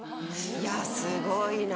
いやすごいな。